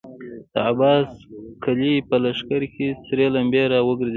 د عباس قلي په لښکر کې سرې لمبې را وګرځېدې.